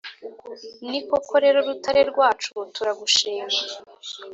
ni koko rero rutare rwacu turagushima,